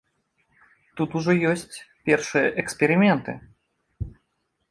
Тут ужо ёсць першыя эксперыменты.